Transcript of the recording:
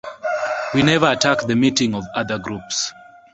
We never attack the meetings of other groups.